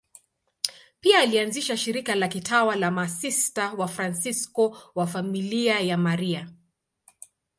Pia alianzisha shirika la kitawa la Masista Wafransisko wa Familia ya Maria.